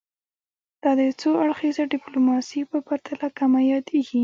دا د څو اړخیزه ډیپلوماسي په پرتله کمه یادیږي